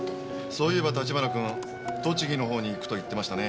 そういえば立花君栃木のほうに行くと言ってましたね。